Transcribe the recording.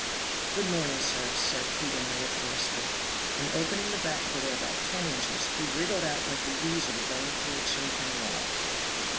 "Good morning, sir," said Peter mellifluously. And opening the back door about ten inches, he wriggled out like a weasel going through a chink in a wall.